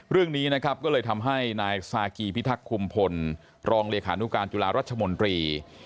เรื่องนี้นะครับก็เลยทำให้นายสากีพิทักษ์คุมพลรองเลขานุการจุฬารัชมนตรี